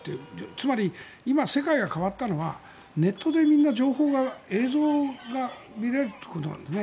つまり、今、世界が変わったのはネットでみんな情報が、映像が見られるということなんですね。